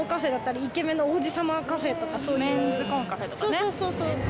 そうそうそうそう。